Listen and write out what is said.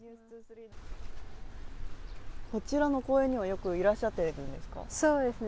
こちらの公園にはよくいらっしゃっているんですか？